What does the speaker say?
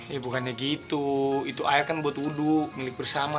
ya bukannya gitu itu air kan buat wudhu milik bersama